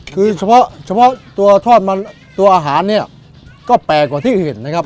คือเฉพาะตัวทอดมันตัวอาหารเนี่ยก็แปลกกว่าที่เห็นนะครับ